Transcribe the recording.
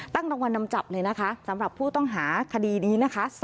รางวัลนำจับเลยนะคะสำหรับผู้ต้องหาคดีนี้นะคะ